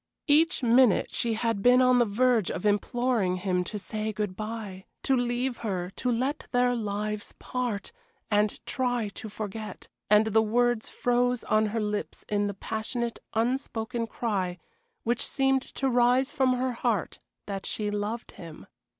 Each minute she had been on the verge of imploring him to say good bye to leave her to let their lives part, to try to forget, and the words froze on her lips in the passionate, unspoken cry which seemed to rise from her heart that she loved him.